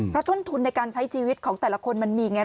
เพราะต้นทุนในการใช้ชีวิตของแต่ละคนมันมีไง